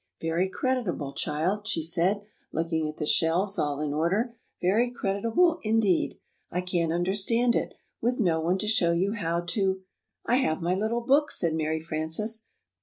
"Very creditable, child," she said, looking at the shelves, all in order, "very creditable indeed. I can't understand it with no one to show you how to " "I have my little book," said Mary Frances.